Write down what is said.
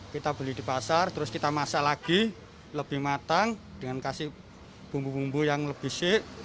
kita beli di pasar terus kita masak lagi lebih matang dengan kasih bumbu bumbu yang lebih sik